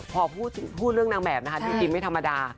พอพูดเรื่องนางแบบนะคะจริงไม่ธรรมดา